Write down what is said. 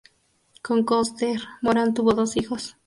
Con Koster, Moran tuvo dos hijos.